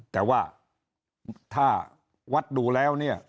แต่ว่าถ้าวัดดูแล้ว